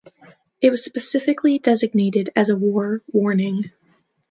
It was specifically designated as a war warning.